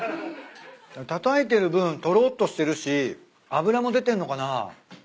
たたいてる分とろっとしてるし脂も出てんのかな？